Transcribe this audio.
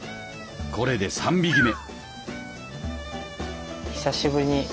これで３匹目！